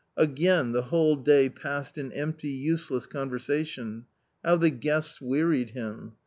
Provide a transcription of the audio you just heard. Again the whole day passed in empty, useless conversation. How the guests wearied him